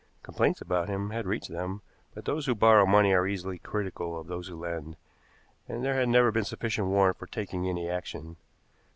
Complaints about him had reached them, but those who borrow money are easily critical of those who lend, and there had never been sufficient warrant for taking any action.